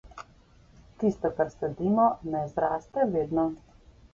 Tisto, kar sadimo, ne zraste vedno.